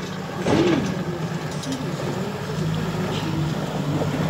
Nze nno ndowooza nti ssente ze weewoze zikolemu ekikuyamba.